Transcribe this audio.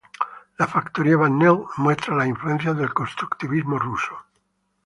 La factoría Van Nelle muestra la influencia del constructivismo ruso.